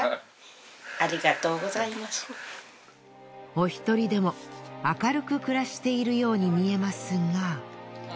お１人でも明るく暮らしているように見えますが。